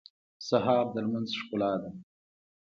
سهار د لمونځ ښکلا ده.